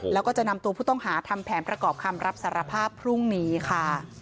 แล้วก็จะนำตัวผู้ต้องหาทำแผนประกอบคำรับสารภาพพรุ่งนี้ค่ะ